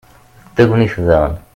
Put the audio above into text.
d tagnit daɣen